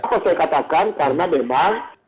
apa saya katakan karena memang